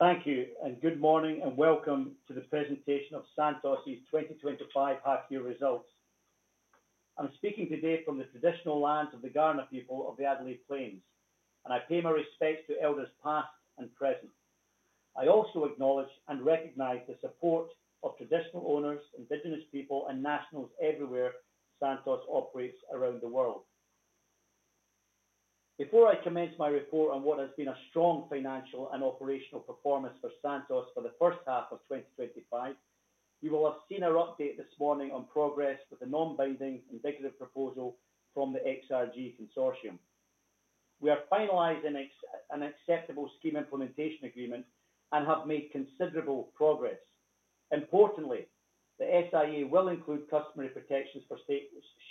Thank you, and good morning, and welcome to the presentation of Santos' 2025 half-year results. I'm speaking today from the traditional lands of the Kaurna people of the Adelaide Plains, and I pay my respects to elders past and present. I also acknowledge and recognize the support of traditional owners, Indigenous people, and nationals everywhere Santos operates around the world. Before I commence my report on what has been a strong financial and operational performance for Santos for the first half of 2025, you will have seen our update this morning on progress with the non-binding indicative proposal from the XRG Consortium. We are finalizing an acceptable Scheme Implementation Agreement and have made considerable progress. Importantly, the SIA will include customary protections for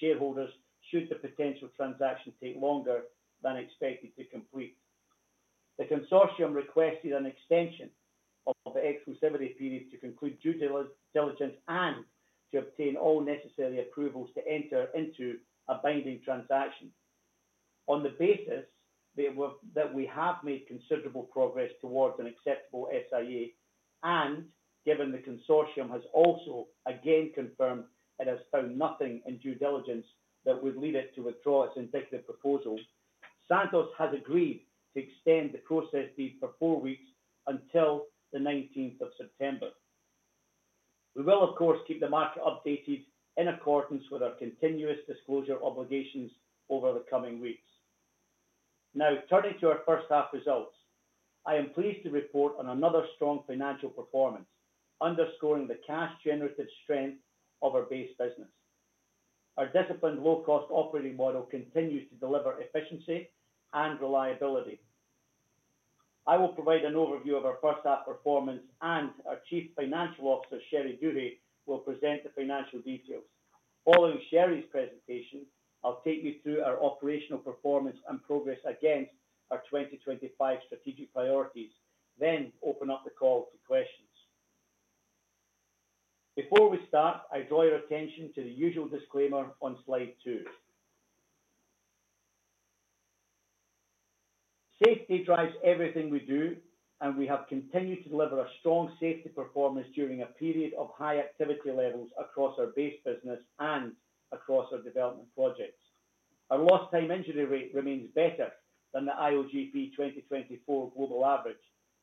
shareholders should the potential transaction take longer than expected to complete. The Consortium requested an extension of the exclusivity period to conclude due diligence and to obtain all necessary approvals to enter into a binding transaction. On the basis that we have made considerable progress towards an acceptable SIA, and given the Consortium has also again confirmed it has found nothing in due diligence that would lead it to withdraw its indicative proposal, Santos has agreed to extend the process date for four weeks until the 19th of September. We will, of course, keep the market updated in accordance with our continuous disclosure obligations over the coming weeks. Now, turning to our first half results, I am pleased to report on another strong financial performance, underscoring the cash-generated strength of our base business. Our disciplined low-cost operating model continues to deliver efficiency and reliability. I will provide an overview of our first half performance, and our Chief Financial Officer, Sherry Duhe, will present the financial details. Following Sherry's presentation, I'll take you through our operational performance and progress against our 2025 strategic priorities, then open up the call to questions. Before we start, I draw your attention to the usual disclaimer on slide two. Safety drives everything we do, and we have continued to deliver a strong safety performance during a period of high activity levels across our base business and across our development projects. Our lost time injury rate remains better than the IOGP 2024 global average,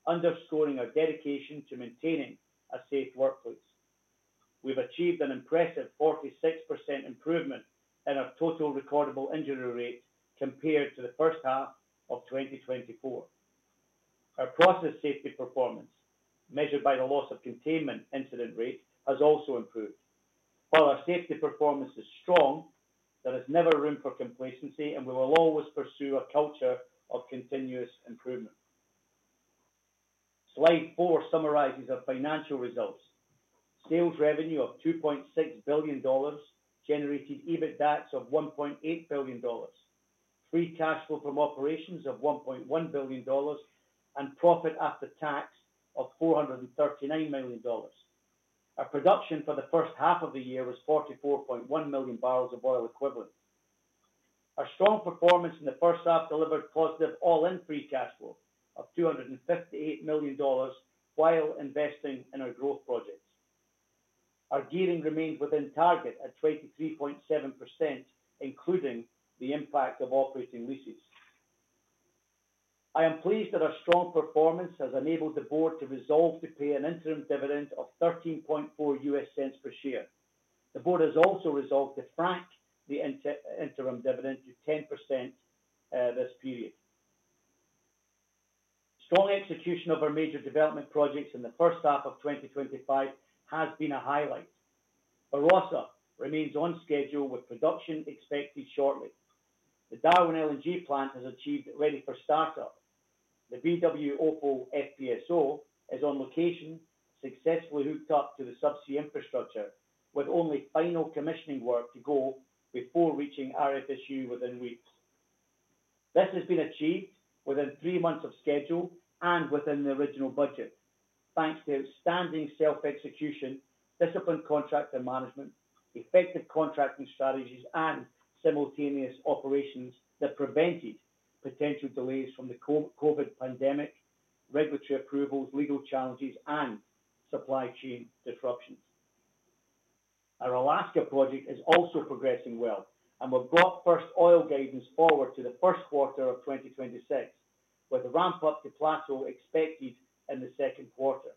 underscoring our dedication to maintaining a safe workplace. We've achieved an impressive 46% improvement in our total recordable injury rate compared to the first half of 2024. Our process safety performance, measured by the loss of containment incident rate, has also improved. While our safety performance is strong, there is never room for complacency, and we will always pursue a culture of continuous improvement. Slide four summarizes our financial results. Sales revenue of $2.6 billion, generated EBITDA of $1.8 billion, free cash flow from operations of $1.1 billion, and profit after tax of $439 million. Our production for the first half of the year was 44.1 million barrels of oil equivalent. Our strong performance in the first half delivered positive all-in free cash flow of $258 million while investing in our growth projects. Our gearing remains within target at 23.7%, including the impact of operating leases. I am pleased that our strong performance has enabled the Board to resolve to pay an interim dividend of $0.134 per share. The Board has also resolved to track the interim dividend to 10% this period. Strong execution of our major development projects in the first half of 2025 has been a highlight. Barossa remains on schedule, with production expected shortly. The Darwin LNG plant has achieved ready for startup. The BW Opal FPSO is on location, successfully hooked up to the subsea infrastructure, with only final commissioning work to go before reaching RFSU within weeks. This has been achieved within three months of schedule and within the original budget, thanks to outstanding self-execution, disciplined contractor management, effective contracting strategies, and simultaneous operations that prevented potential delays from the COVID pandemic, regulatory approvals, legal challenges, and supply chain disruptions. Our Alaska project is also progressing well, and we've brought first oil guidance forward to the first quarter of 2026, with a ramp-up to plateau expected in the second quarter.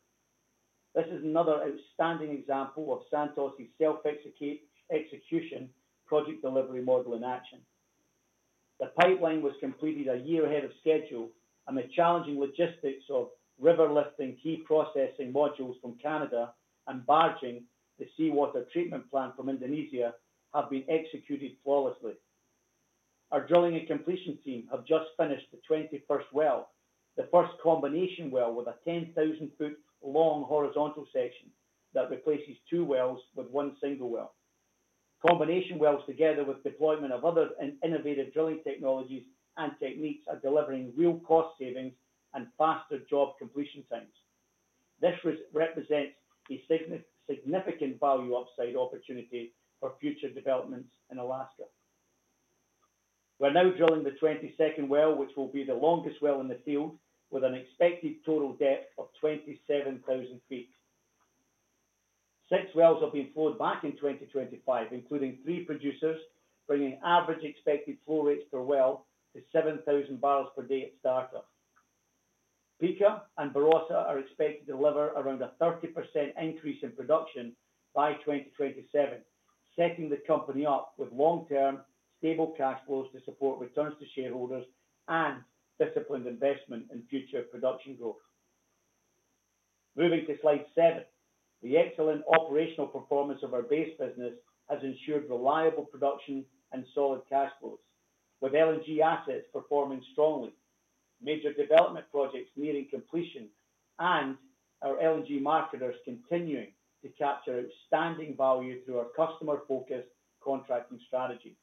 This is another outstanding example of Santos's self-execution project delivery model in action. The pipeline was completed a year ahead of schedule, and the challenging logistics of river lifting key processing modules from Canada and barging the seawater treatment plant from Indonesia have been executed flawlessly. Our drilling and completion team have just finished the 21st well, the first combination well with a 10,000-foot long horizontal section that replaces two wells with one single well. Combination wells, together with deployment of other innovative drilling technologies and techniques, are delivering real cost savings and faster job completion times. This represents a significant value upside opportunity for future developments in Alaska. We're now drilling the 22nd well, which will be the longest well in the field, with an expected total depth of 27,000 feet. Six wells are being flowed back in 2025, including three producers, bringing average expected flow rates per well to 7,000 barrels per day at startup. Pikka and Barossa are expected to deliver around a 30% increase in production by 2027, setting the company up with long-term stable cash flows to support returns to shareholders and disciplined investment in future production growth. Moving to slide seven, the excellent operational performance of our base business has ensured reliable production and solid cash flows, with LNG assets performing strongly, major development projects nearing completion, and our LNG marketers continuing to capture outstanding value through our customer-focused contracting strategy.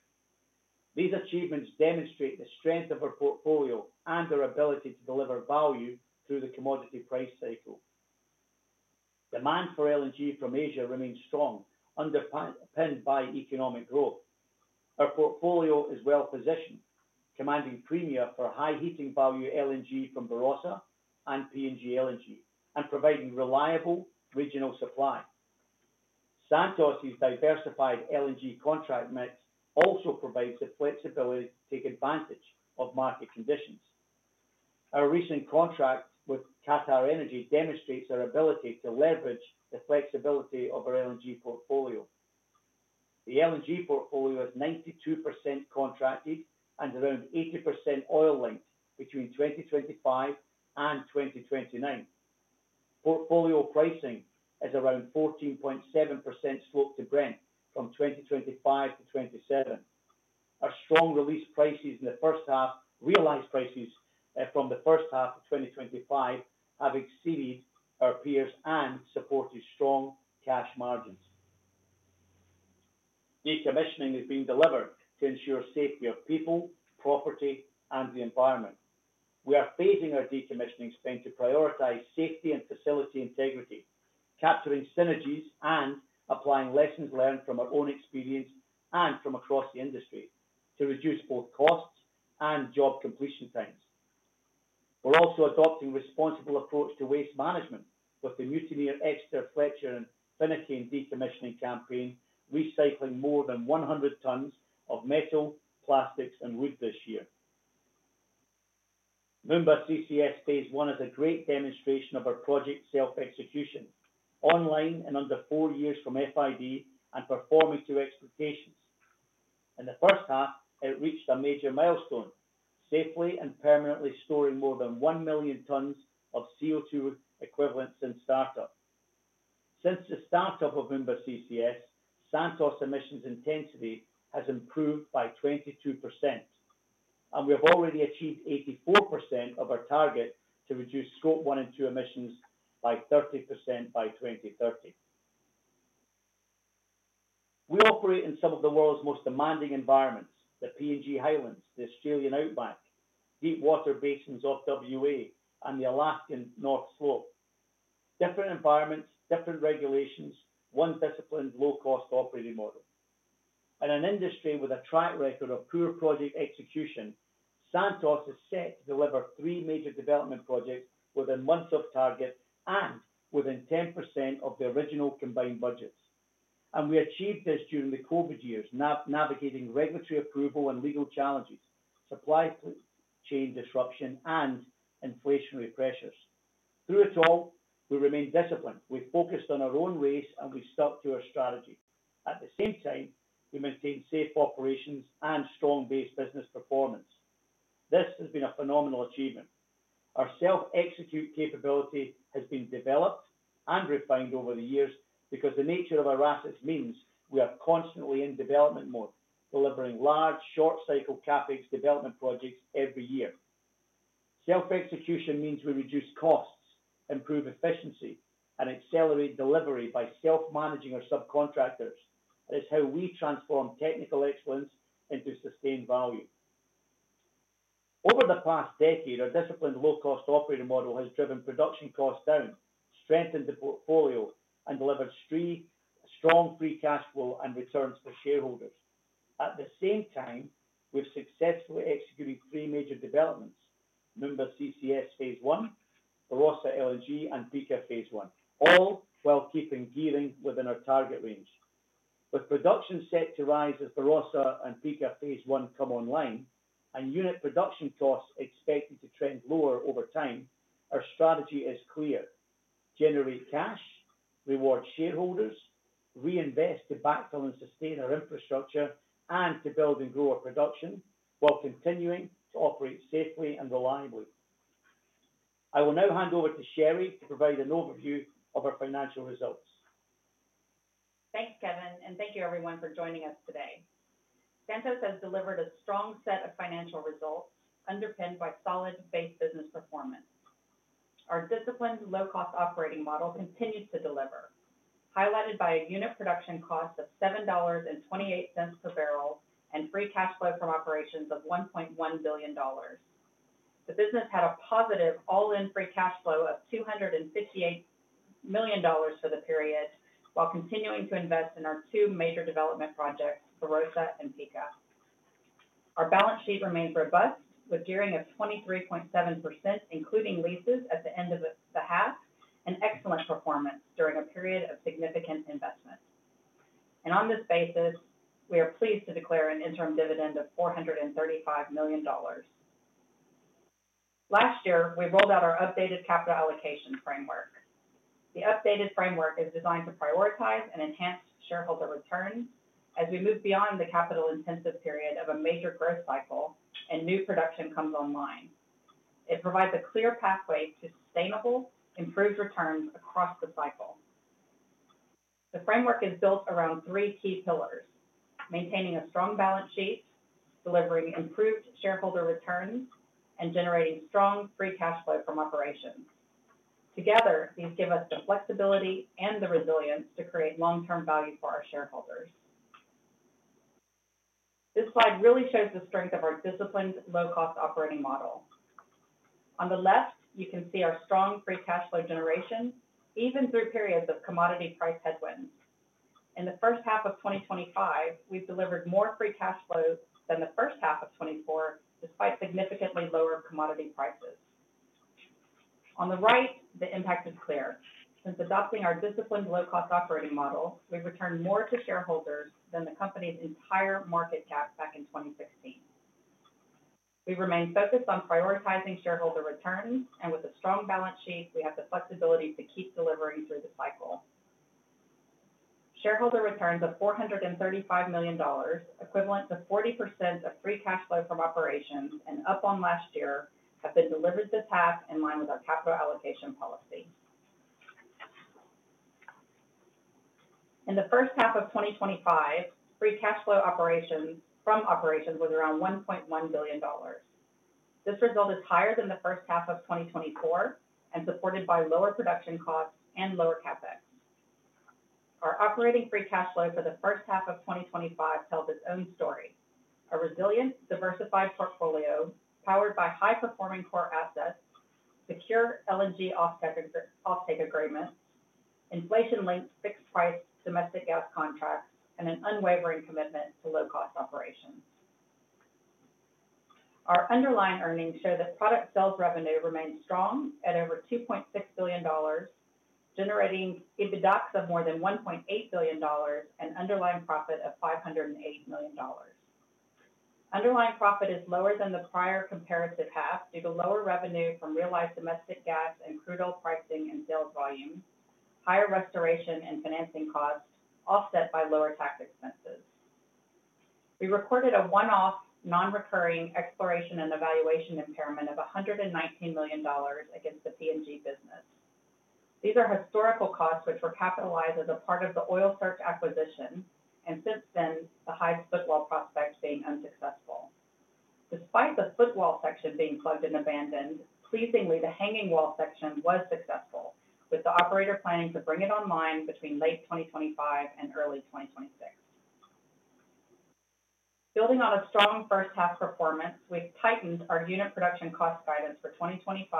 These achievements demonstrate the strength of our portfolio and our ability to deliver value through the commodity price cycle. Demand for LNG from Asia remains strong, underpinned by economic growth. Our portfolio is well positioned, commanding premium for high heating value LNG from Barossa and PNG LNG, and providing reliable regional supply. Santos' diversified LNG contract mix also provides the flexibility to take advantage of market conditions. Our recent contract with QatarEnergy demonstrates our ability to leverage the flexibility of our LNG portfolio. The LNG portfolio is 92% contracted and around 80% oil-linked between 2025 and 2029. Portfolio pricing is around 14.7% float to Brent on 2025 to 2027. Our strong realized prices in the first half, realized prices from the first half of 2025, have exceeded our peers and supported strong cash margins. Decommissioning is being delivered to ensure safety of people, property, and the environment. We are phasing our decommissioning spend to prioritize safety and facility integrity, capturing synergies and applying lessons learned from our own experience and from across the industry to reduce both costs and job completion times. We're also adopting a responsible approach to waste management with the Mutineer Exeter, Fletcher Finucane decommissioning campaign, recycling more than 100 tons of metal, plastics, and wood this year. Moomba CCS phase I is a great demonstration of our project self-execution, online and under four years from FID, and performing to expectations. In the first half, it reached a major milestone, safely and permanently storing more than 1 million tons of CO₂ equivalent since startup. Since the startup of Moomba CCS, Santos emissions intensity has improved by 22%, and we have already achieved 84% of our target to reduce Scope 1 and 2 emissions by 30% by 2030. We operate in some of the world's most demanding environments: the PNG Highlands, the Australian Outback, deep water basins off WA, and the Alaskan North Slope. Different environments, different regulations, one disciplined low-cost operating model. In an industry with a track record of poor project execution, Santos has set to deliver three major development projects within months of target and within 10% of the original combined budgets. We achieved this during the COVID years, navigating regulatory approval and legal challenges, supply chain disruption, and inflationary pressures. Through it all, we remain disciplined. We focused on our own race, and we stuck to our strategy. At the same time, we maintained safe operations and strong base business performance. This has been a phenomenal achievement. Our self-execute capability has been developed and refined over the years because the nature of our assets means we are constantly in development mode, delivering large short-cycle CapEx development projects every year. Self-execution means we reduce costs, improve efficiency, and accelerate delivery by self-managing our subcontractors. It is how we transform technical excellence into sustained value. Over the past decade, our disciplined low-cost operating model has driven production costs down, strengthened the portfolio, and delivered strong free cash flow and returns for shareholders. At the same time, we've successfully executed three major developments: Moomba CCS phase I, Barossa LNG, and Pikka phase I, all while keeping yielding within our target range. With production set to rise as Barossa and Pikka phase I come online, and unit production costs expected to trend lower over time, our strategy is clear: generate cash, reward shareholders, reinvest to battle and sustain our infrastructure, and to build and grow our production while continuing to operate safely and reliably. I will now hand over to Sherry to provide an overview of our financial results. Thanks, Kevin, and thank you everyone for joining us today. Santos has delivered a strong set of financial results underpinned by solid base business performance. Our disciplined low-cost operating model continues to deliver, highlighted by a unit production cost of $7.28 per barrel and free cash flow from operations of $1.1 billion. The business had a positive all-in free cash flow of $258 million for the period, while continuing to invest in our two major development projects, Barossa and Pikka. Our balance sheet remains robust, with gearing at 23.7%, including leases at the end of the half, and excellent performance during a period of significant investment. On this basis, we are pleased to declare an interim dividend of $435 million. Last year, we rolled out our updated capital allocation framework. The updated framework is designed to prioritize and enhance shareholder returns as we move beyond the capital-intensive period of a major growth cycle and new production comes online. It provides a clear pathway to sustainable, improved returns across the cycle. The framework is built around three key pillars: maintaining a strong balance sheet, delivering improved shareholder returns, and generating strong free cash flow from operations. Together, these give us the flexibility and the resilience to create long-term value for our shareholders. This slide really shows the strength of our disciplined low-cost operating model. On the left, you can see our strong free cash flow generation, even through periods of commodity price headwinds. In the first half of 2025, we've delivered more free cash flow than the first half of 2024, despite significantly lower commodity prices. On the right, the impact is clear. Since adopting our disciplined low-cost operating model, we've returned more to shareholders than the company's entire market cap back in 2016. We remain focused on prioritizing shareholder returns, and with a strong balance sheet, we have the flexibility to keep delivering through the cycle. Shareholder returns of $435 million, equivalent to 40% of free cash flow from operations, and up on last year, have been delivered this half in line with our capital allocation policy. In the first half of 2025, free cash flow from operations was around $1.1 billion. This result is higher than the first half of 2024 and supported by lower production costs and lower CapEx. Our operating free cash flow for the first half of 2025 tells its own story: a resilient, diversified portfolio powered by high-performing core assets, secure LNG offtake agreements, inflation-linked fixed-price domestic gas contracts, and an unwavering commitment to low-cost operations. Our underlying earnings show that product sales revenue remains strong at over $2.6 billion, generating EBITDA of more than $1.8 billion and underlying profit of $508 million. Underlying profit is lower than the prior comparative half due to lower revenue from real-life domestic gas and crude oil pricing and sales volume, higher restoration and financing costs, offset by lower tax expenses. We recorded a one-off non-recurring exploration and evaluation impairment of $119 million against the P&G business. These are historical costs which were capitalized as a part of the Oil Search acquisition, and since then, the hive's footwall prospects have been unsuccessful. Despite the footwall section being plugged and abandoned, pleasingly, the hanging wall section was successful, with the operator planning to bring it online between late 2025 and early 2026. Building on a strong first-half performance, we've tightened our unit production cost guidance for 2025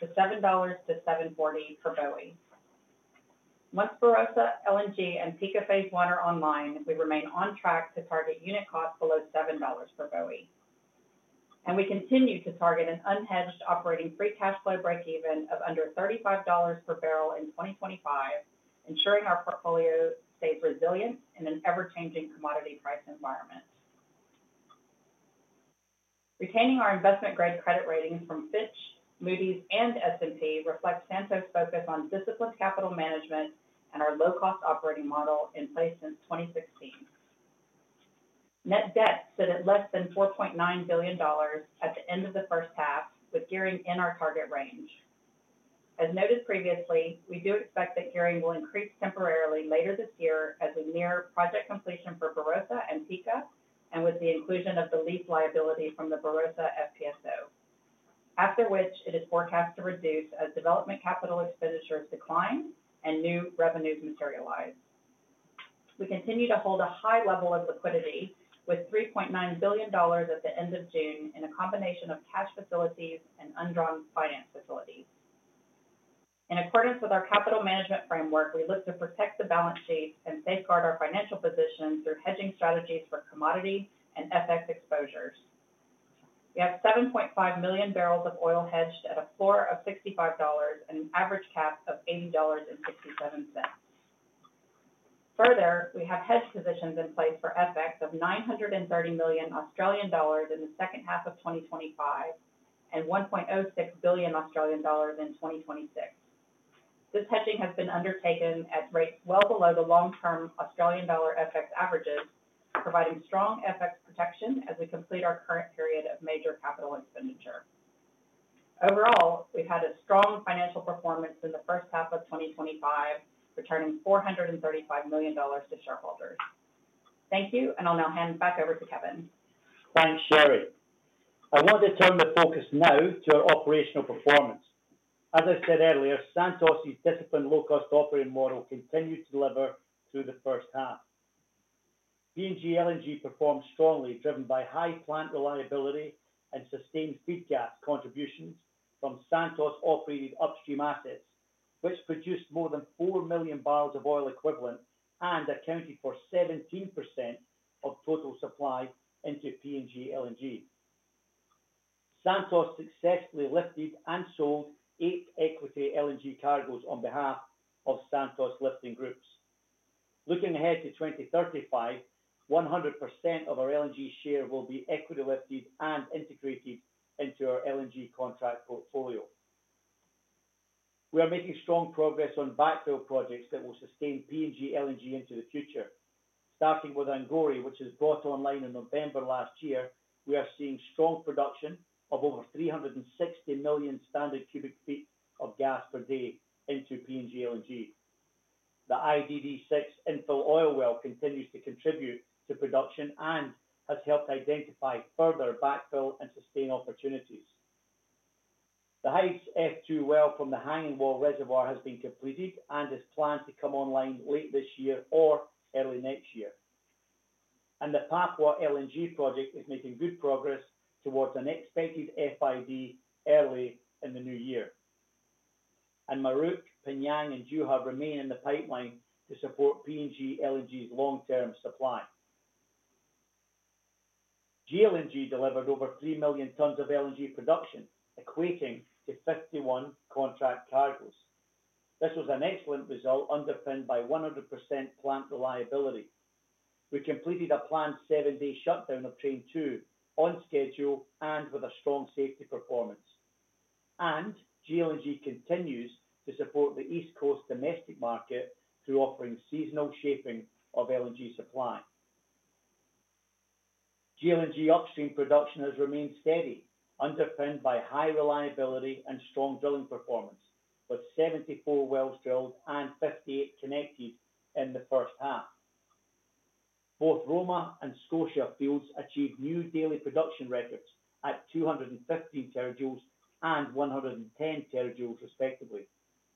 to $7.00 to $7.40 per BOE. Once Barossa LNG and Pikka phase I are online, we remain on track to target unit costs below $7.00 per BOE. We continue to target an unhedged operating free cash flow breakeven of under $35 per barrel in 2025, ensuring our portfolio stays resilient in an ever-changing commodity price environment. Retaining our investment-grade credit ratings from Fitch, Moody's, and S&P reflects Santos' focus on disciplined capital management and our low-cost operating model in place since 2016. Net debt stood at less than $4.9 billion at the end of the first half, with gearing in our target range. As noted previously, we do expect that gearing will increase temporarily later this year as we near project completion for Barossa and Pikka, and with the inclusion of the lease liability from the Barossa FPSO, after which it is forecast to reduce as development capital expenditures decline and new revenues materialize. We continue to hold a high level of liquidity, with $3.9 billion at the end of June in a combination of cash facilities and undrawn finance facilities. In accordance with our capital management framework, we look to protect the balance sheet and safeguard our financial position through hedging strategies for commodity and FX exposures. We have 7.5 million barrels of oil hedged at a floor of $65 and an average cap of $80.57. Further, we have hedged positions in place for FX of 930 million Australian dollars in the second half of 2025 and 1.06 billion Australian dollars in 2026. This hedging has been undertaken at rates well below the long-term Australian dollar FX averages, providing strong FX protection as we complete our current period of major capital expenditure. Overall, we've had a strong financial performance in the first half of 2025, returning $435 million to shareholders. Thank you, and I'll now hand back over to Kevin. Thanks, Sherry. I want to turn my focus now to our operational performance. As I said earlier, Santos' disciplined low-cost operating model continues to deliver through the first half. PNG LNG performs strongly, driven by high plant reliability and sustained feed gas contributions from Santos operated upstream assets, which produced more than 4 million barrels of oil equivalent and accounted for 17% of total supply into PNG LNG. Santos successfully lifted and sold eight equity LNG cargoes on behalf of Santos lifting groups. Looking ahead to 2035, 100% of our LNG share will be equity lifted and integrated into our LNG contract portfolio. We are making strong progress on backfill projects that will sustain PNG LNG into the future. Starting with Angore, which was brought online in November last year, we are seeing strong production of over 360 million standard cubic feet of gas per day into PNG LNG. The IDD6 infill oil well continues to contribute to production and has helped identify further backfill and sustain opportunities. The Hides F2 well from the hanging wall reservoir has been completed and is planned to come online late this year or early next year. The Papua LNG project is making good progress towards an expected FID early in the new year. Muruk, P'nyang, and Juha remain in the pipeline to support PNG LNG's long-term supply. GLNG delivered over 3 million tons of LNG production, completing the 51 contract cargoes. This was an excellent result underpinned by 100% plant reliability. We completed a planned seven-day shutdown of Train 2 on schedule and with a strong safety performance. GLNG continues to support the East Coast domestic market through offering seasonal shaping of LNG supply. GLNG upstream production has remained steady, underpinned by high reliability and strong drilling performance, with 74 wells drilled and 58 connected in the first half. Both Roma and Scotia fields achieved new daily production records at 215 terajoules and 110 terajoules, respectively,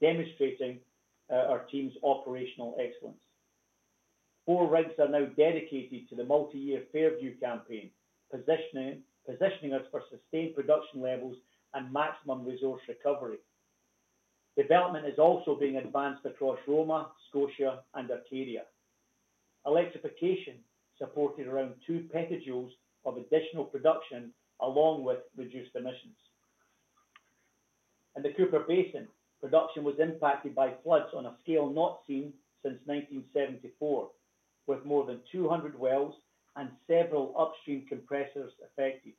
demonstrating our team's operational excellence. Four rigs are now dedicated to the multi-year Fairview campaign, positioning us for sustained production levels and maximum resource recovery. Development is also being advanced across Roma, Scotia, and Arcadia. Electrification supported around 2 petajoules of additional production, along with reduced emissions. In the Cooper Basin, production was impacted by floods on a scale not seen since 1974, with more than 200 wells and several upstream compressors affected.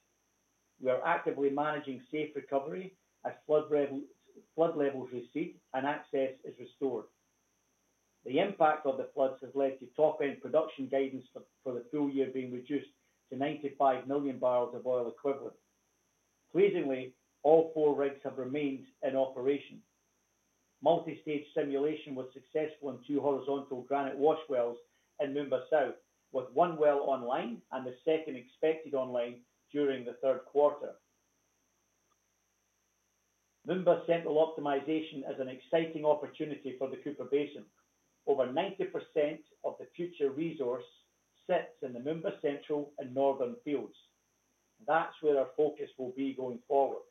We are actively managing safe recovery as flood levels recede and access is restored. The impact of the floods has led to top-end production guidance for the full year being reduced to 95 million barrels of oil equivalent. Pleasingly, all four rigs have remained in operation. Multi-stage stimulation was successful in two horizontal granite wash wells in Member South, with one well online and the second expected online during the third quarter. Member Central optimization is an exciting opportunity for the Cooper Basin. Over 90% of the future resource sits in the Member Central and northern fields. That's where our focus will be going forward.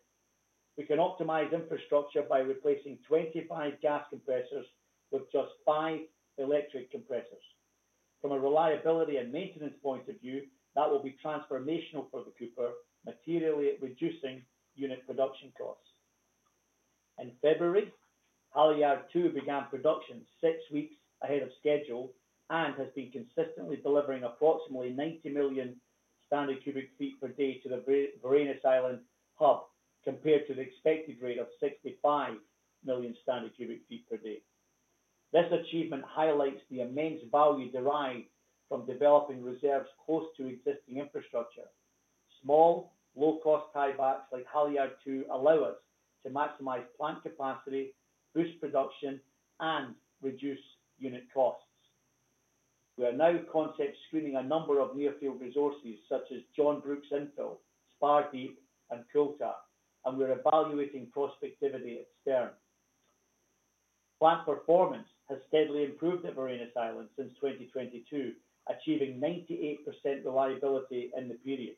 We can optimize infrastructure by replacing 25 gas compressors with just five electric compressors. From a reliability and maintenance point of view, that will be transformational for the Cooper, materially reducing unit production costs. In February, Halyard-2 began production six weeks ahead of schedule and has been consistently delivering approximately 90 million standard cubic feet per day to the Varanus Island hub, compared to the expected rate of 65 million standard cubic feet per day. This achievement highlights the immense value derived from developing reserves close to existing infrastructure. Small, low-cost hybrids like Halyard-2 allow us to maximize plant capacity, boost production, and reduce unit costs. We are now concept screening a number of near-field resources such as John Brookes infill, Spar Deep, Kultarr, and we're evaluating prospectivity externally. Plant performance has steadily improved at Varanus Island since 2022, achieving 98% reliability in the period.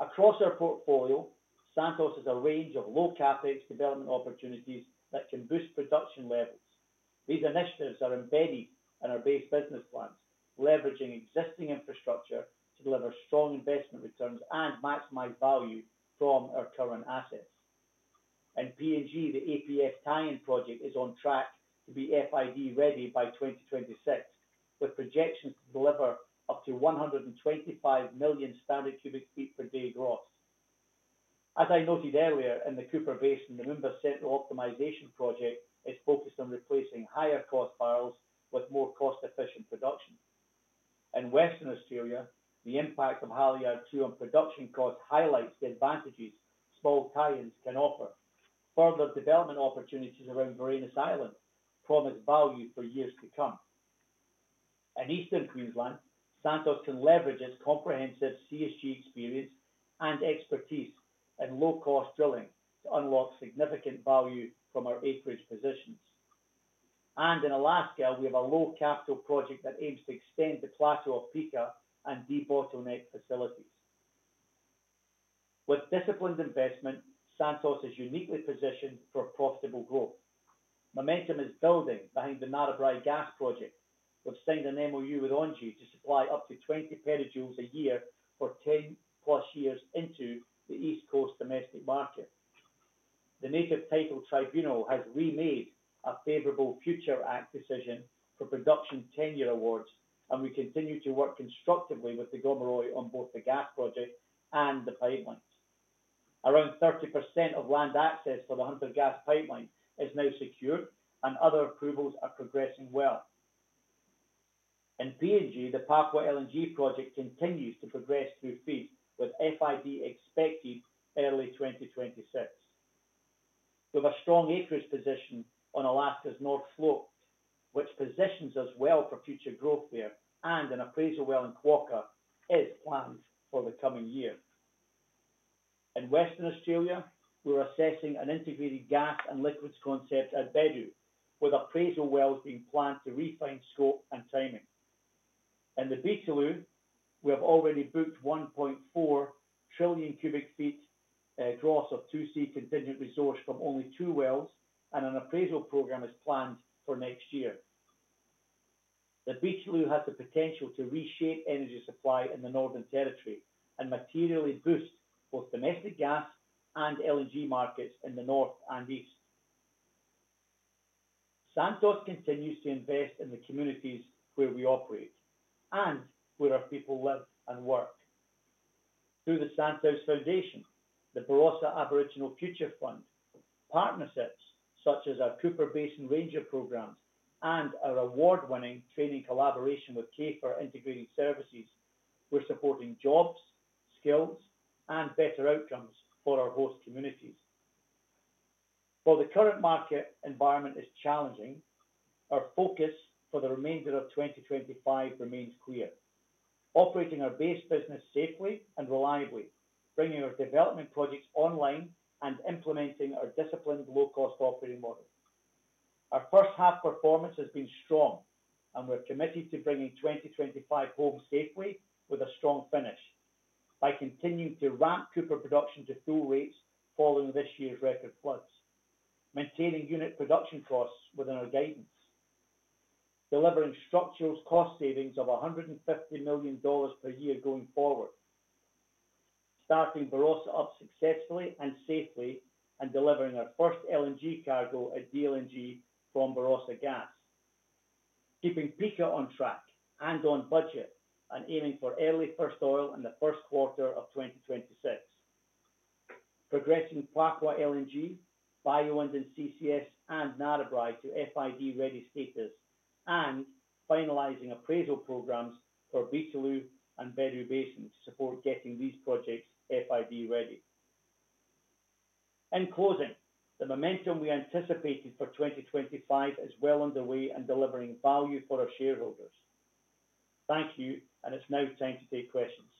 Across our portfolio, Santos has a range of low CapEx development opportunities that can boost production levels. These initiatives are embedded in our base business plans, leveraging existing infrastructure to deliver strong investment returns and maximize value from our current assets. In PNG, the APF Tie-in project is on track to be FID ready by 2026, with projections to deliver up to 125 million standard cubic feet per day gross. As I noted earlier, in the Cooper Basin, the Member Central optimization project is focused on replacing higher cost barrels with more cost-efficient production. In Western Australia, the impact of Halyard-2 on production costs highlights the advantages small actions can offer. Further development opportunities around Varanus Island promise value for years to come. In Eastern Queensland, Santos can leverage its comprehensive CSG experience and expertise in low-cost drilling to unlock significant value from our acreage positions. In Alaska, we have a low-capital project that aims to extend the plateau of Pikka and Deep [Autumnite] facilities. With disciplined investment, Santos is uniquely positioned for profitable growth. Momentum is building behind the Narrabri gas project, which signed an MOU with Origin to supply up to 20 petajoules a year for 10+ years into the East Coast domestic market. The Native Title Tribunal has remade a favorable future act decision for production tenure awards, and we continue to work constructively with the Gomeroi on both the gas project and the pipelines. Around 30% of land access for the Hunter Gas Pipeline is now secured, and other approvals are progressing well. In PNG, the Papua LNG project continues to progress through FEED, with FID expected early 2026. We have a strong acreage position on Alaska's North Slope, which positions us well for future growth there, and an appraisal well in Quokka is planned for the coming year. In Western Australia, we're assessing an integrated gas and liquids concept at Bedout, with appraisal wells being planned to refine scope and timing. In the Beetaloo, we have already booked 1.4 trillion cubic feet gross of 2C contingent resource from only two wells, and an appraisal program is planned for next year. The Beetaloo has the potential to reshape energy supply in the Northern Territory and materially boost both domestic gas and LNG markets in the North and East. Santos continues to invest in the communities where we operate and where our people live and work. Through the Santos Foundation, the Barossa Aboriginal Future Fund, partnerships such as our Cooper Basin Ranger programs, and our award-winning training collaboration with KAEFER Integrated Services, we're supporting jobs, skills, and better outcomes for our host communities. While the current market environment is challenging, our focus for the remainder of 2025 remains clear: operating our base business safely and reliably, bringing our development projects online, and implementing our disciplined low-cost operating model. Our first-half performance has been strong, and we're committed to bringing 2025 home safely with a strong finish by continuing to ramp Cooper production to full rates following this year's record plugs, maintaining unit production costs within our guidance, delivering structural cost savings of $150 million per year going forward, starting Barossa up successfully and safely, and delivering our first LNG cargo at DLNG from Barossa Gas, keeping Pikka on track and on budget, and aiming for early first oil in the first quarter of 2026, progressing Papua LNG, Bayu-Undan CCS, and Narrabri to FID ready status, and finalizing appraisal programs for Beetaloo and Bedout Basin to support getting these projects FID ready. In closing, the momentum we anticipated for 2025 is well underway and delivering value for our shareholders. Thank you, and it's now time to take questions.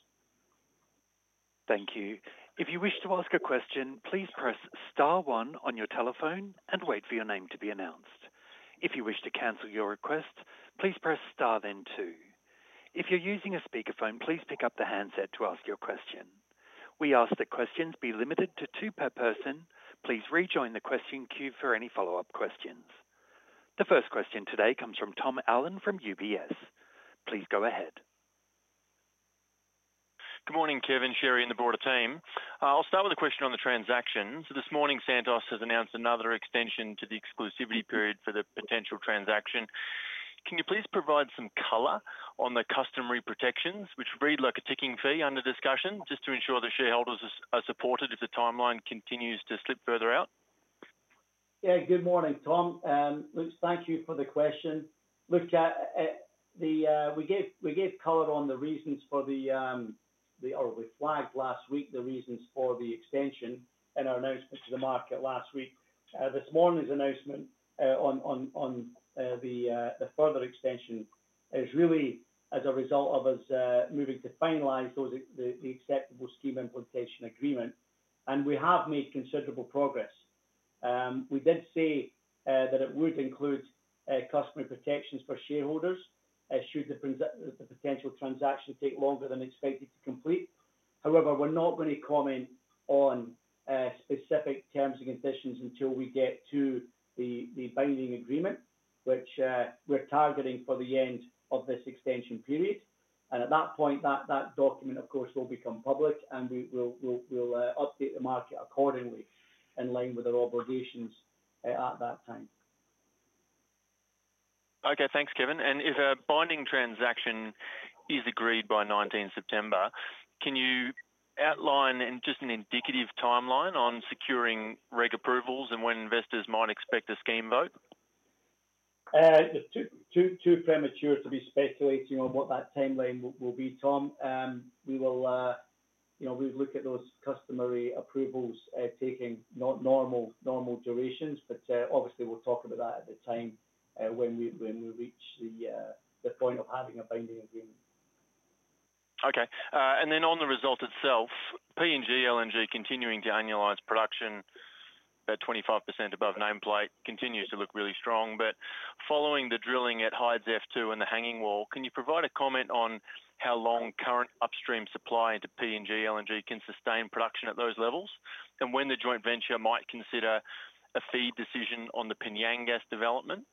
Thank you. If you wish to ask a question, please press *1 on your telephone and wait for your name to be announced. If you wish to cancel your request, please press * then 2. If you're using a speakerphone, please pick up the handset to ask your question. We ask that questions be limited to two per person. Please rejoin the question queue for any follow-up questions. The first question today comes from Tom Allen from UBS. Please go ahead. Good morning, Kevin, Sherry, and the Board. I'll start with a question on the transactions. This morning, Santos has announced another extension to the exclusivity period for the potential transaction. Can you please provide some color on the customary protections, which read like a ticking fee under discussion, just to ensure the shareholders are supported if the timeline continues to slip further out? Good morning, Tom. Look, thank you for the question. Look, we gave color on the reasons for the, we flagged last week the reasons for the extension in our announcement to the market last week. This morning's announcement on the further extension is really as a result of us moving to finalize the acceptable Scheme Implementation Agreement. We have made considerable progress. We did say that it would include customary protections for shareholders should the potential transaction take longer than expected to complete. However, we're not going to comment on specific terms and conditions until we get to the binding agreement, which we're targeting for the end of this extension period. At that point, that document, of course, will become public, and we'll update the market accordingly in line with our obligations at that time. Okay, thanks, Kevin. If a binding transaction is agreed by 19th September, can you outline just an indicative timeline on securing regulatory approvals and when investors might expect a scheme vote? It's too premature to be speculating on what that timeline will be, Tom. We will look at those customary approvals taking normal durations, but obviously we'll talk about that at the time when we reach the point of having a binding agreement. Okay. On the result itself, PNG LNG continuing to annualize production at 25% above nameplate continues to look really strong. Following the drilling at Hides F2 and the hanging wall, can you provide a comment on how long current upstream supply to PNG LNG can sustain production at those levels? When the joint venture might consider a FEED decision on the P'nyang gas development,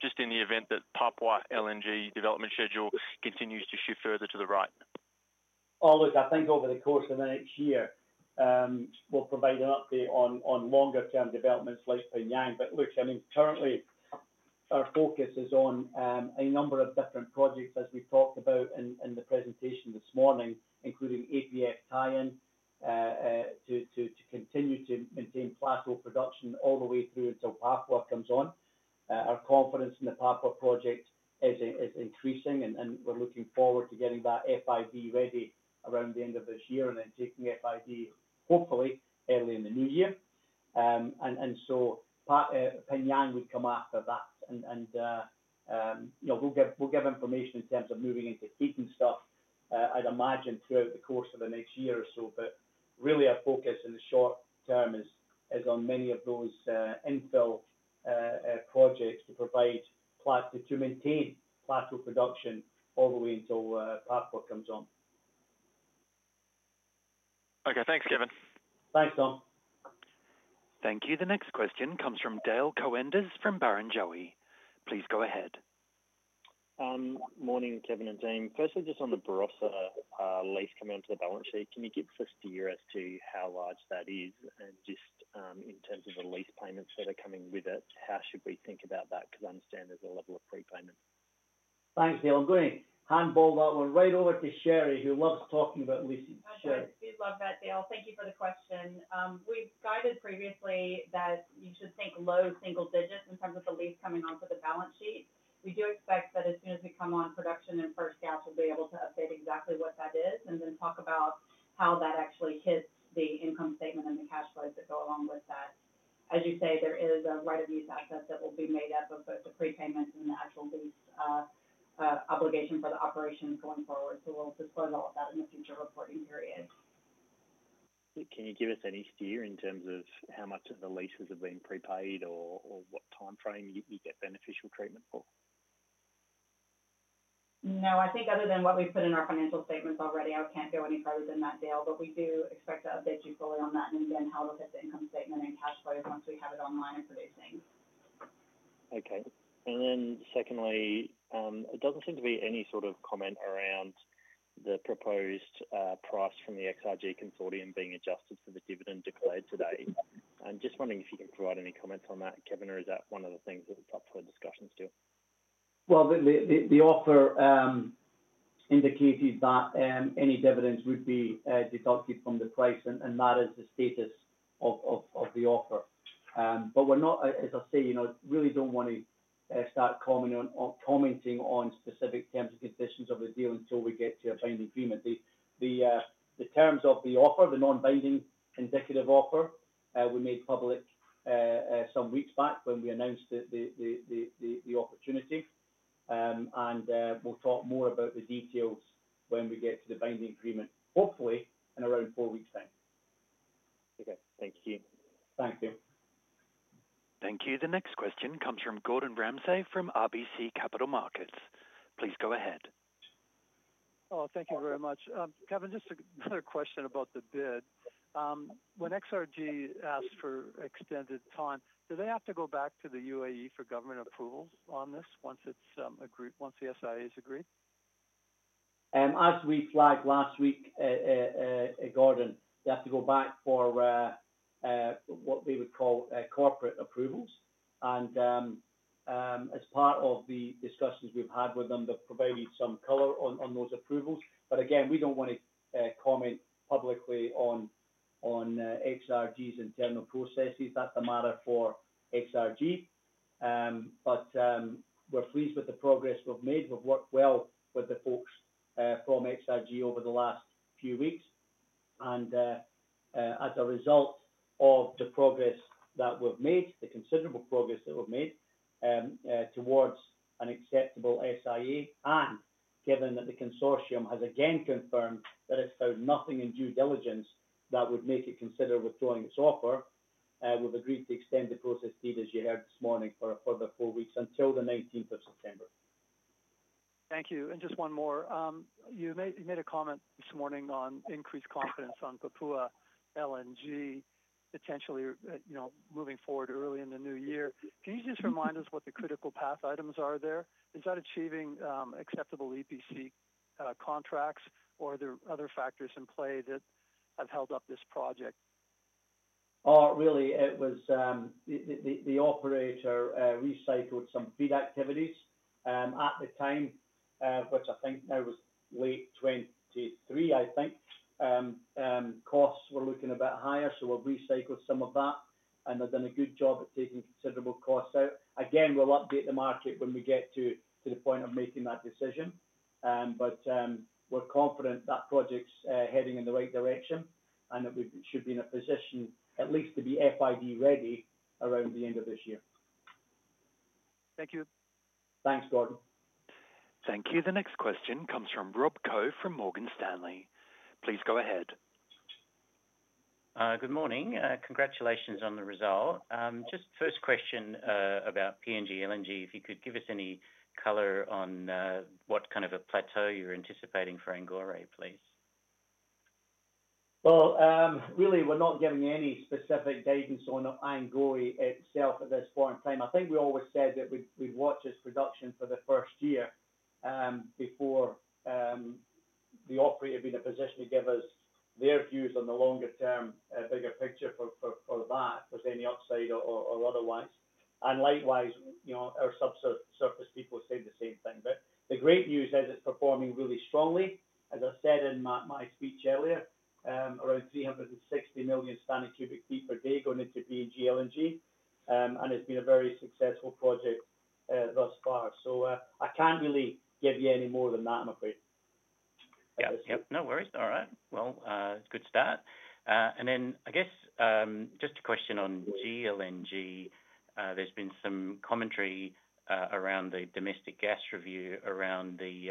just in the event that Papua LNG development schedule continues to shift further to the right? I'll look at things over the course of the next year. We'll provide an update on longer-term developments like P'nyang. Currently, our focus is on a number of different projects, as we talked about in the presentation this morning, including APF Tie-in to continue to maintain plateau production all the way through until Papua comes on. Our confidence in the Papua project is increasing, and we're looking forward to getting that FID ready around the end of this year and then taking FID hopefully early in the new year. P'nyang would come after that. We'll give information in terms of moving into Pekin stuff, I'd imagine, throughout the course of the next year or so. Really, our focus in the short term is on many of those infill projects to provide to maintain plateau production all the way until Papua comes on. Okay, thanks, Kevin. Thanks, Tom. Thank you. The next question comes from Dale Koenders from Barrenjoey. Please go ahead. Morning, Kevin and James. Firstly, just on the Barossa lease coming onto the balance sheet, can you give us a steer as to how large that is? In terms of the lease payments that are coming with it, how should we think about that? I understand there's a level of prepayment. Thanks, Dale. I'm going to handball that one right over to Sherry, who loves talking about leases. We love that, Dale. Thank you for the question. We've guided previously that you should think low single digits in terms of the lease coming onto the balance sheet. We do expect that as soon as we come on production and first gas, we'll be able to update exactly what that is and then talk about how that actually hits the income statement and the cash flows that go along with that. As you say, there is a right of use asset that will be made up of both the prepayment and the actual lease obligation for the operation going forward. We'll disclose all of that in the future reporting period. Can you give us any steer in terms of how much of the leases are being prepaid or what timeframe you get beneficial treatment for? No, I think other than what we've put in our financial statements already, I can't go any further than that, Dale. We do expect to update you fully on that, and again, how it'll hit the income statement and cash flows once we have it online and producing. Okay. It doesn't seem to be any sort of comment around the proposed price from the XRG Consortium being adjusted for the dividend declared today. I'm just wondering if you can provide any comments on that, Kevin, or is that one of the things that's up for discussion still? The offer indicated that any dividends would be deducted from the price, and that is the status of the offer. As I say, you know, really don't want to start commenting on specific terms and conditions of the deal until we get to a binding agreement. The terms of the offer, the non-binding indicative offer, we made public some weeks back when we announced the opportunity. We'll talk more about the details when we get to the binding agreement, hopefully in around four weeks' time. Okay, thank you. Thank you. Thank you. The next question comes from Gordon Ramsay from RBC Capital Markets. Please go ahead. Oh, thank you very much. Kevin, just another question about the bid. When XRG asks for extended time, do they have to go back to the UAE for government approval on this once the SIA is agreed? As we flagged last week at Gordon, they have to go back for what they would call corporate approvals. As part of the discussions we've had with them, they've provided some color on those approvals. We don't want to comment publicly on XRG's internal processes, that is a matter for XRG. We're pleased with the progress we've made. We've worked well with the folks from XRG over the last few weeks. As a result of the considerable progress that we've made towards an acceptable SIA, and given that the consortium has again confirmed that it's found nothing in due diligence that would make it consider withdrawing its offer, we've agreed to extend the process, as you heard this morning, for a further four weeks until the 19th of September. Thank you. Just one more. You made a comment this morning on increased confidence on Papua LNG, potentially, you know, moving forward early in the new year. Can you just remind us what the critical path items are there? Is that achieving acceptable EPC contracts, or are there other factors in play that have held up this project? Really, it was the operators recycled some bid activities at the time, which I think that was way 2023, I think. Costs were looking a bit higher, so we've recycled some of that, and they've done a good job at taking considerable costs out. We'll update the market when we get to the point of making that decision. We're confident that project's heading in the right direction and that we should be in a position at least to be FID ready around the end of this year. Thank you. Thanks, Gordon. Thank you. The next question comes from Rob Koh from Morgan Stanley. Please go ahead. Good morning. Congratulations on the result. Just first question about PNG LNG. If you could give us any color on what kind of a plateau you're anticipating for Angore, please. We're not giving any specific data on Angore itself at this point in time. I think we always said that we'd watch its production for the first year before the operator would be in a position to give us their views on the longer-term bigger picture for that, if there's any upside or otherwise. Likewise, our subsurface people said the same thing. The great news is it's performing really strongly. As I said in my speech earlier, around 360 million standard cubic feet per day going into PNG LNG, and it's been a very successful project thus far. I can't really give you any more than that, I'm afraid. No worries. All right. Good start. I guess just a question on GLNG. There's been some commentary around the domestic gas review around the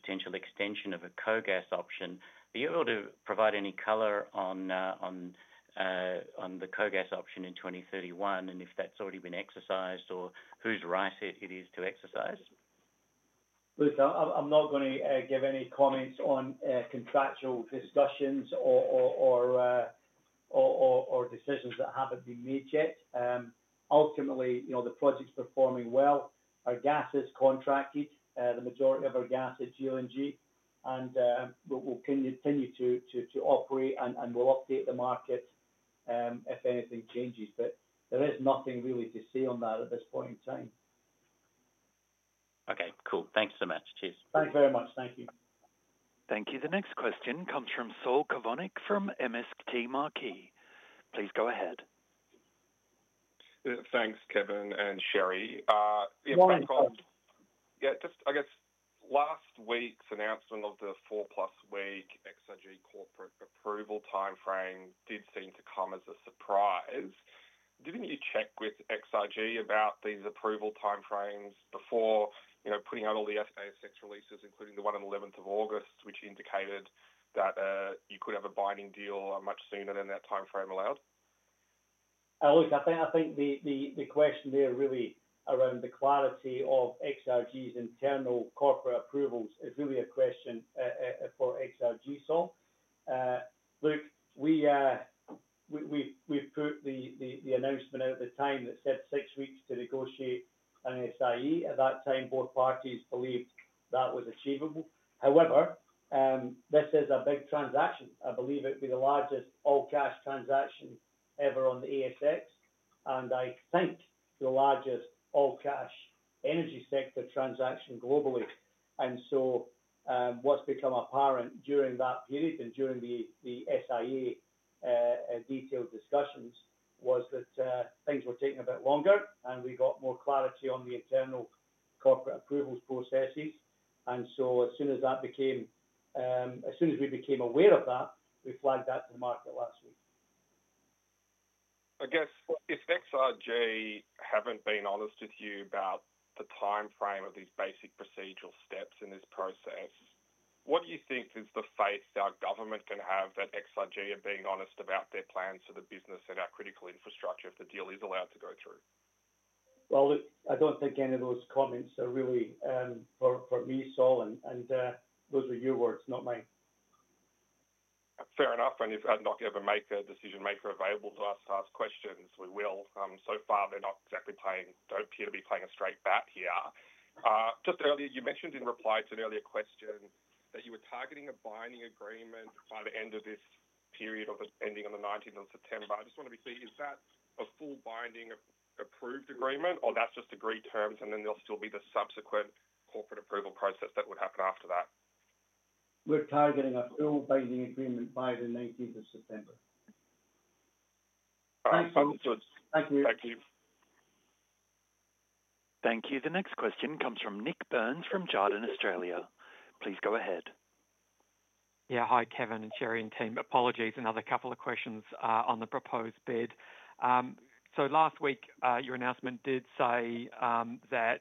potential extension of a co-gas option. Are you able to provide any color on the co-gas option in 2031 and if that's already been exercised or whose right it is to exercise? I'm not going to give any comments on contractual discussions or decisions that haven't been made yet. Ultimately, you know, the project's performing well. Our gas is contracted, the majority of our gas at GLNG, and we'll continue to operate, and we'll update the market if anything changes. There is nothing really to say on that at this point in time. Okay, cool. Thanks so much. Cheers. Thanks very much. Thank you. Thank you. The next question comes from Saul Kavonic from MST Marquee. Please go ahead. Thanks, Kevin and Sherry. Just, I guess last week's announcement of the four-plus-week XRG corporate approval timeframe did seem to come as a surprise. Didn't you check with XRG about these approval timeframes before putting out all the ASX releases, including the one on the 11th of August, which indicated that you could have a binding deal much sooner than that timeframe allowed? Look, I think the question there really around the quality of XRG's internal corporate approvals is really a question for XRG, Saul. Look, we put the announcement out at the time that said six weeks to negotiate an SIA. At that time, both parties believed that was achievable. However, this is a big transaction. I believe it would be the largest all-cash transaction ever on the ASX, and I think the largest all-cash energy sector transaction globally. What has become apparent during that period and during the SIA detailed discussions was that things were taking a bit longer, and we got more clarity on the internal corporate approvals processes. As soon as we became aware of that, we flagged that for market last week. I guess if XRG haven't been honest with you about the timeframe of these basic procedural steps in this process, what do you think is the faith that our government can have that XRG are being honest about their plans for the business and our critical infrastructure if the deal is allowed to go through? I don't think any of those comments are really for me, Saul, and those were your words, not mine. Fair enough. If I'm not going to ever make a decision-maker available to us to ask questions, we will. So far, they're not exactly paying, don't appear to be playing a straight bat here. Just earlier, you mentioned in reply to an earlier question that you were targeting a binding agreement by the end of this period ending on the 19th of September. I just want to be clear, is that a full binding approved agreement, or that's just agreed terms, and then there'll still be the subsequent corporate approval process that would happen after that? We're targeting a full binding agreement by the 19th of September. Thanks, Saul. Thank you. Thank you. Thank you. The next question comes from Nik Burns from Jarden, Australia. Please go ahead. Yeah, hi, Kevin and Sherry and team. Apologies. Another couple of questions on the proposed bid. Last week, your announcement did say that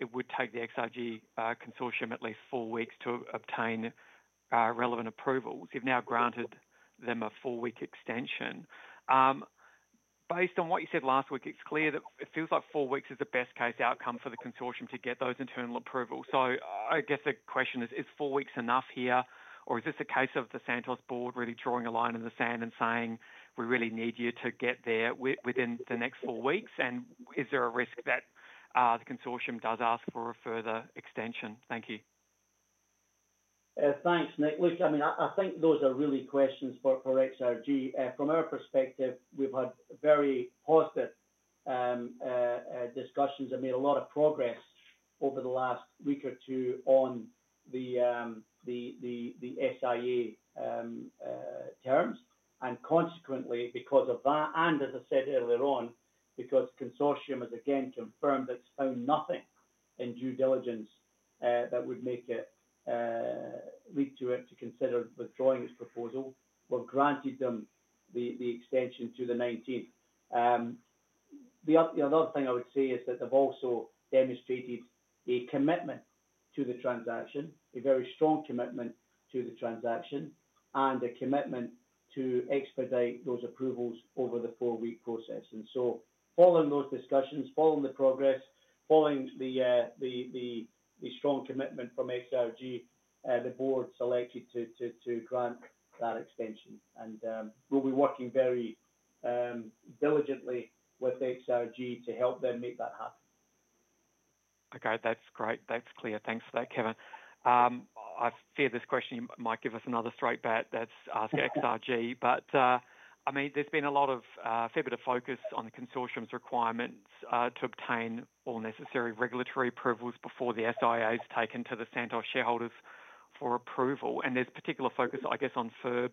it would take the XRG Consortium at least four weeks to obtain relevant approvals. You've now granted them a four-week extension. Based on what you said last week, it's clear that it feels like four weeks is the best-case outcome for the consortium to get those internal approvals. I guess the question is, is four weeks enough here, or is this a case of the Santos board really drawing a line in the sand and saying, "We really need you to get there within the next four weeks"? Is there a risk that the consortium does ask for a further extension? Thank you. Thanks, Nik. Look, I mean, I think those are really questions for XRG. From our perspective, we've had very positive discussions and made a lot of progress over the last week or two on the SIA terms. Consequently, because of that, and as I said earlier on, because the consortium has again confirmed it's found nothing in due diligence that would make it lead to consider withdrawing its proposal, we've granted them the extension to the 19th. The other thing I would say is that they've also demonstrated a commitment to the transaction, a very strong commitment to the transaction, and a commitment to expedite those approvals over the four-week process. Following those discussions, the progress, and the strong commitment from XRG, the board selected to grant that extension. We'll be working very diligently with XRG to help them make that happen. Okay, that's great. That's clear. Thanks for that, Kevin. I fear this question might give us another straight bat that's asked XRG. There's been a fair bit of focus on the consortium's requirements to obtain all necessary regulatory approvals before the SIA is taken to the Santos shareholders for approval. There's particular focus, I guess, on FIRB.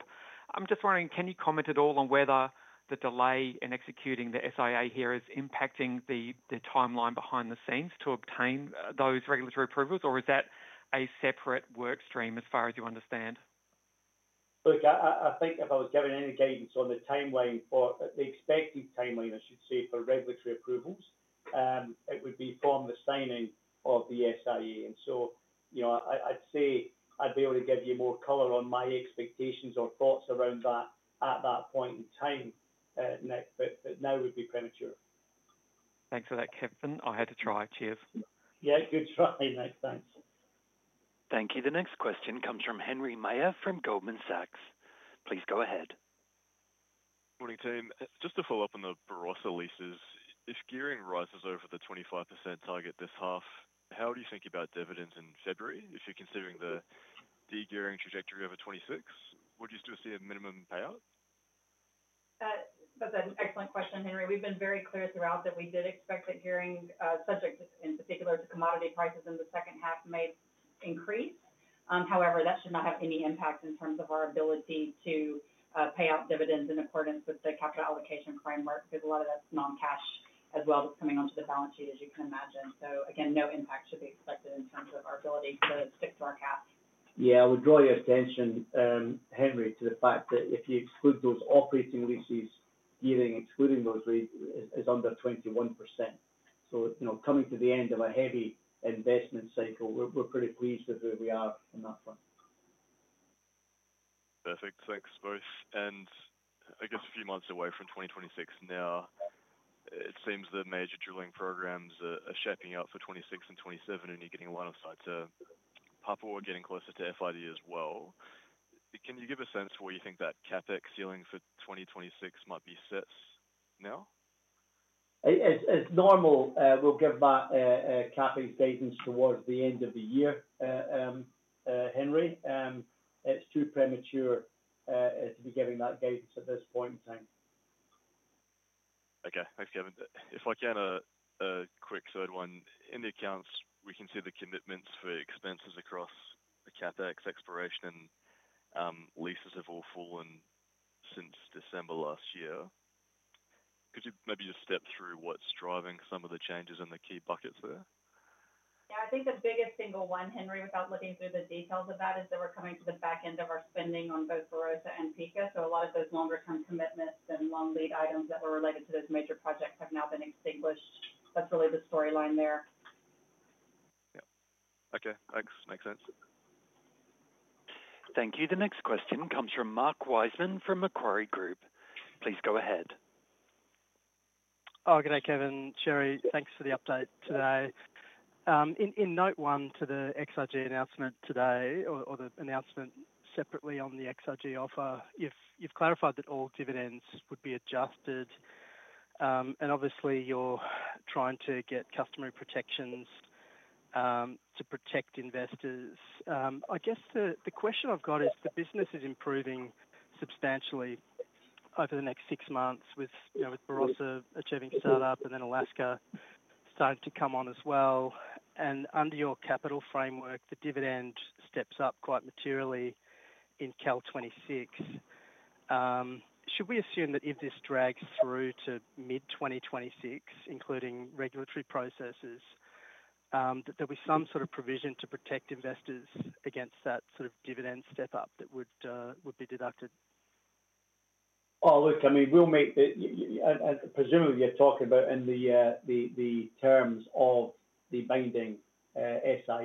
I'm just wondering, can you comment at all on whether the delay in executing the SIA here is impacting the timeline behind the scenes to obtain those regulatory approvals, or is that a separate work stream, as far as you understand? Look, I think if I was given any guidance on the timeline for the expected timeline, I should say, for regulatory approvals, it would be from the signing of the SIA. I'd be able to give you more color on my expectations or thoughts around that at that point in time, Nik, but now it would be premature. Thanks for that, Kevin. I had to try, cheers. Yeah, good try, Nick. Thanks. Thank you. The next question comes from Henry Meyer from Goldman Sachs. Please go ahead. Morning, team. Just to follow up on the Barossa leases, if gearing rises over the 25% target this half, how do you think about dividends in February if you're considering the de-gearing trajectory over 2026? Would you still see a minimum payout? That's an excellent question, Henry. We've been very clear throughout that we did expect that gearing, subject in particular to commodity prices in the second half, may increase. However, that should not have any impact in terms of our ability to pay out dividends in accordance with the capital allocation framework because a lot of that's non-cash as well, just coming onto the balance sheet, as you can imagine. No impact should be expected in terms of our ability to stick to our cash. I would draw your attention, Henry, to the fact that if you exclude those operating leases, gearing excluding those leases is under 21%. You know, coming to the end of a heavy investment cycle, we're pretty pleased with where we are on that front. Perfect. Thanks, both. I guess a few months away from 2026 now, it seems the major drilling programs are shaping up for 2026 and 2027, and you're getting one offsite to Papua getting closer to FID as well. Can you give a sense of where you think that CapEx ceiling for 2026 might be set now? As normal, we'll give that CapEx guidance towards the end of the year, Henry. It's too premature to be giving that guidance at this point in time. Okay. Thanks, Kevin. If I can, a quick third one. In the accounts, we can see the commitments for expenses across the CapEx exploration leases have all fallen since December last year. Could you maybe just step through what's driving some of the changes in the key buckets there? Yeah, I think the biggest single one, Henry, without looking through the details of that, is that we're coming to the back end of our spending on both Barossa and Pikka. A lot of those longer-term commitments and long-lead items that were related to those major projects have now been extinguished. That's really the storyline there. Yep, okay. Thanks. Makes sense. Thank you. The next question comes from Mark Wiseman from Macquarie Group. Please go ahead. Oh, good day, Kevin. Sherry, thanks for the update today. In note one to the XRG announcement today, or the announcement separately on the XRG offer, you've clarified that all dividends would be adjusted. Obviously, you're trying to get customary protections to protect investors. I guess the question I've got is the business is improving substantially over the next six months with Barossa achieving startup, and Alaska started to come on as well. Under your capital framework, the dividend steps up quite materially in calendar 2026. Should we assume that if this drags through to mid-2026, including regulatory processes, that there'll be some sort of provision to protect investors against that sort of dividend step-up that would be deducted? Oh, look, I mean, we'll make it. Presumably, you're talking about in the terms of the binding Scheme Implementation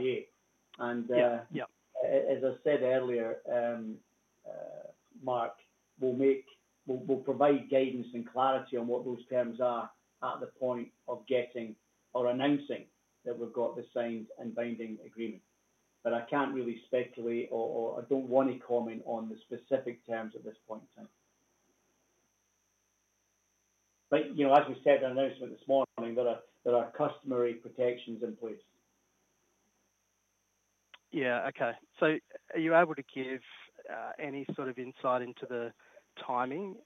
Agreement. As I said earlier, Mark, we'll provide guidance and clarity on what those terms are at the point of getting or announcing that we've got the signed and binding agreement. I can't really speculate, or I don't want to comment on the specific terms at this point in time. As we said in our announcement this morning, there are customary protections in place. Okay. Are you able to give any sort of insight into the timing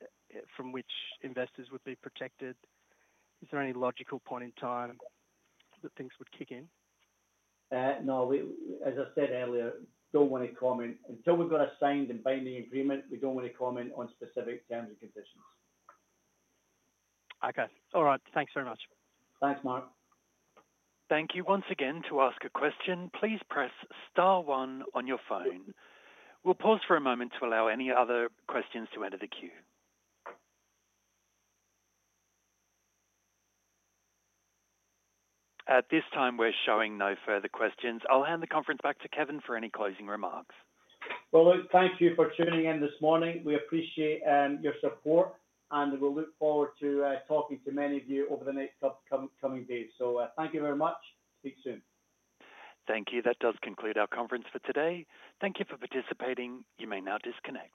from which investors would be protected? Is there any logical point in time that things would kick in? No. As I said earlier, I don't want to comment. Until we've got a signed and binding agreement, we don't want to comment on specific terms and conditions. Okay. All right. Thanks very much. Thanks, Mark. Thank you. Once again, to ask a question, please press *1 on your phone. We'll pause for a moment to allow any other questions to enter the queue. At this time, we're showing no further questions. I'll hand the conference back to Kevin for any closing remarks. Thank you for tuning in this morning. We appreciate your support, and we look forward to talking to many of you over the next coming days. Thank you very much. Speak soon. Thank you. That does conclude our conference for today. Thank you for participating. You may now disconnect.